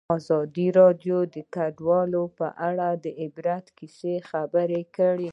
ازادي راډیو د کډوال په اړه د عبرت کیسې خبر کړي.